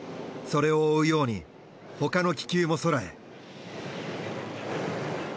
それを追うように他の気球も空へ。